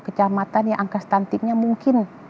kecamatan yang angka stuntingnya mungkin